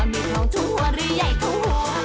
มีทองทุ่มหัวหรือใหญ่ทุ่มหัว